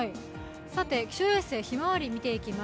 気象衛星ひまわりを見ていきます。